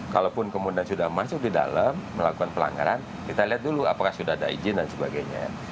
kalaupun kemudian sudah masuk di dalam melakukan pelanggaran kita lihat dulu apakah sudah ada izin dan sebagainya